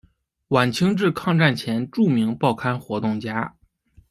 晚清至抗战前著名报刊活动家。